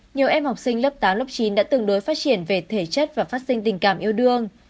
nhiều em học sinh lớp tám lớp chín đã tương đối phát triển về thể chất và phát sinh tình cảm yêu đương